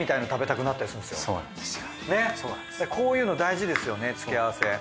ねっこういうの大事ですよね付け合わせ。